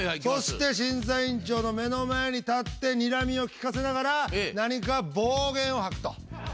そして審査委員長の目の前に立ってにらみを利かせながら何か暴言を吐くと。